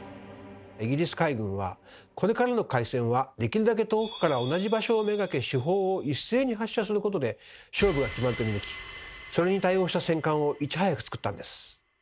イギリス海軍はこれからの海戦はできるだけ遠くから同じ場所を目がけ主砲を一斉に発射することで勝負が決まると見抜きそれに対応した戦艦をいち早く造ったんです。